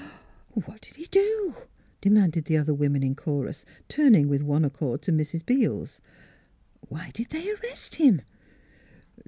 " What 'd he do? " demanded the other women in chorus, turning with one accord to Mrs. Beels. " Why did they arrest him?